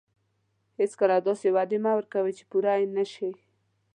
هیڅکله داسې وعدې مه ورکوئ چې پوره یې نه شئ.